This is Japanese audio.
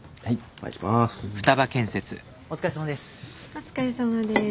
お疲れさまです。